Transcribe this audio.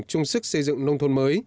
trung sức xây dựng nông thôn mới